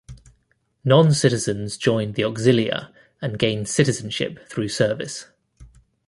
Non-citizens joined the Auxilia and gained citizenship through service.